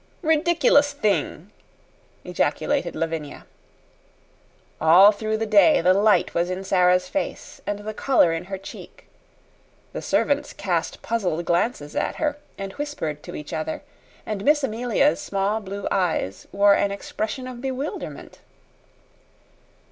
"Ridiculous thing!" ejaculated Lavinia. All through the day the light was in Sara's face, and the color in her cheek. The servants cast puzzled glances at her, and whispered to each other, and Miss Amelia's small blue eyes wore an expression of bewilderment.